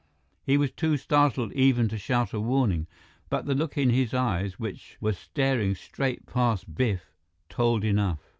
He was too startled even to shout a warning, but the look in his eyes, which were staring straight past Biff, told enough.